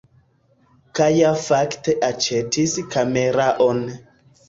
Kaja fakte aĉetis kameraon